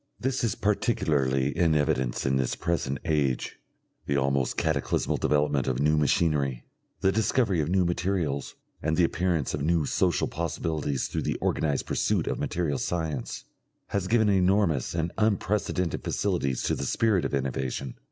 This is particularly in evidence in this present age. The almost cataclysmal development of new machinery, the discovery of new materials, and the appearance of new social possibilities through the organised pursuit of material science, has given enormous and unprecedented facilities to the spirit of innovation.